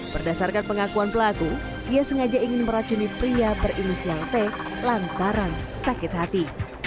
berdasarkan pengakuan pelaku ia sengaja ingin meracuni pria berinisial t lantaran sakit hati